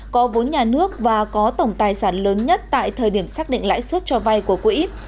có vốn nhà nước và có tổng tài sản lớn nhất tại thời điểm xác định lãi suất cho vay của quỹ